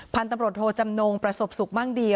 พันธุ์ตำรวจโทจำนงประสบสุขมั่งดี